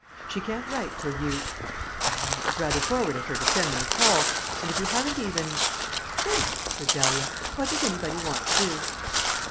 "She can't write till you I mean, it was rather forward of her to send them at all; and if you haven't even " "Well," said Dahlia, "what does anybody want to do?"